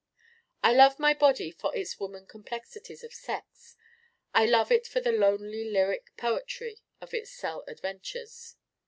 I love my Body for its woman complexities of sex. I love it for the lonely lyric poetry of its cell adventures.